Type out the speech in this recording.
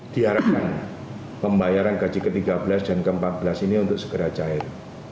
diharapkan pembayaran gaji ke tiga belas dan ke empat belas ini untuk segera cair